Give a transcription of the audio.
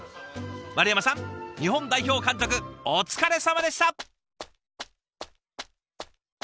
丸山さん日本代表監督お疲れさまでした！